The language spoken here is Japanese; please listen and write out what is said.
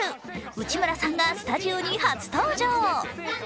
内村さんがスタジオに初登場！